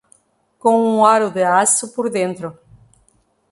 com um aro de aço por dentro